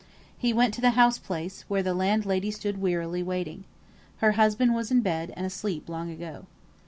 He went to the house place, where the landlady stood wearily waiting. Her husband was in bed, and asleep long ago.